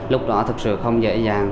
lúc đó thực sự không dễ dàng